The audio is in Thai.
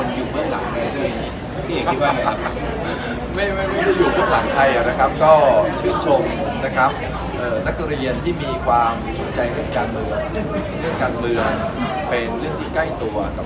อเจมส์ว่าจะมีคนอยู่ข้างหลังใครด้วย